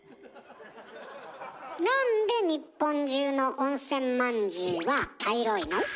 なんで日本中の温泉まんじゅうは茶色いの？